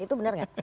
itu benar nggak